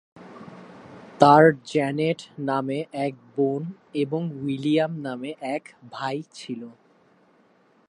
তার জ্যানেট নামে এক বোন এবং উইলিয়াম নামে এক ভাই ছিল।